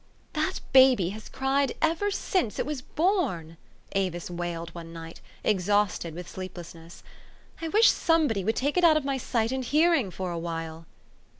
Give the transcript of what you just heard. " That baby has cried ever since it was born !" Avis wailed one night, exhausted with sleeplessness. " I wish somebody would take it out of my sight and hearing for a while."